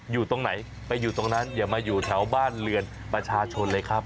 อยู่ตรงไหนไปอยู่ตรงนั้นอย่ามาอยู่แถวบ้านเรือนประชาชนเลยครับ